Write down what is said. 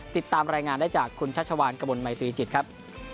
ติดตามรายงานได้จากคุณชัชวานกระมวลมัยตรีจิตครับ